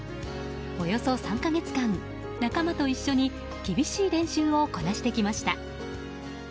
およそ３か月間、仲間と一緒に厳しい練習をこなしてきました。